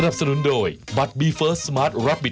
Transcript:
โปรดติดตามตอนต่อไป